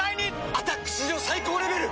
「アタック」史上最高レベル！